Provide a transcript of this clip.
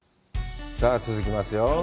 さあ続きますよ。